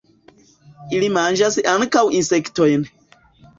Ili manĝas ankaŭ insektojn.